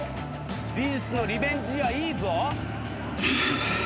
美術のリベンジはいいぞ。